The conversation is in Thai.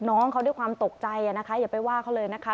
น้องเขาด้วยความตกใจนะคะอย่าไปว่าเขาเลยนะคะ